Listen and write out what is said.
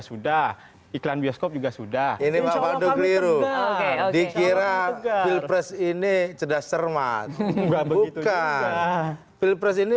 sudah iklan bioskop juga sudah ini bapak duk liru dikira pilpres ini cedas cermat bukan pilpres ini